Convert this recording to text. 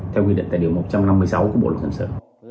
theo quy định tại điều một trăm năm mươi sáu của bộ luật hình sự